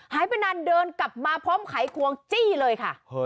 หายไปนานเดินกลับมาพร้อมไขควงจี้เลยค่ะ